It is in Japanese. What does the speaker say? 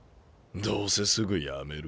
どうせすぐやめる。